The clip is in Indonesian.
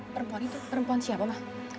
perempuan itu perempuan siapa